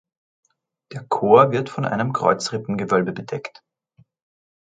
Der Chor wird von einem Kreuzrippengewölbe bedeckt.